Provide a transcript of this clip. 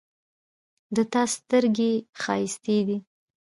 د تا سترګې ښایستې دي